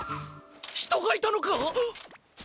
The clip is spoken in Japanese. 人がいたのか！？